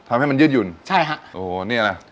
ทำให้มันยืดหยุ่นใช่ฮะโอ้โหนี่อะไร